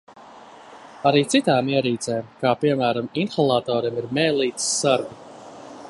Arī citām ierīcēm kā, piemēram, inhalatoriem ir mēlītes sargi.